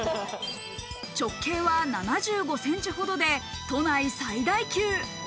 直径は７５ｃｍほどで都内最大級。